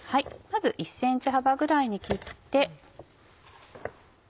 まず１ｃｍ幅ぐらいに切って。